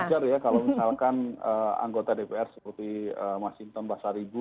wajar ya kalau misalkan anggota dpr seperti mas sintom mbak saribu